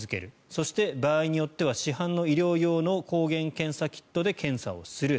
そして場合によっては市販の医療用の抗原検査キットで検査をする。